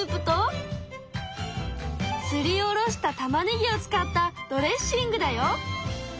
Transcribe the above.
すりおろしたたまねぎを使ったドレッシングだよ。